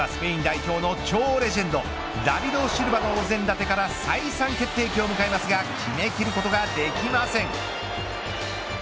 この日はスペイン代表の超レジェンドダビド・シルバのお膳立てから再三決定機を迎えますが決めきることができません。